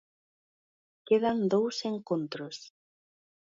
Quedan dous encontros.